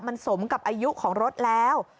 มันสมกับอายุของรถแล้ว